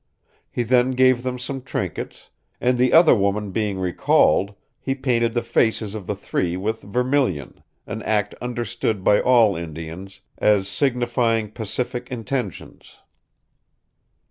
He then gave them some trinkets, and the other woman being recalled, he painted the faces of the three with vermilion, an act understood by all Indians as signifying pacific intentions.